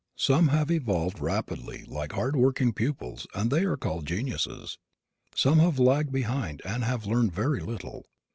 Some have evolved rapidly like hard working pupils and they are called geniuses. Some have lagged behind and have learned very little.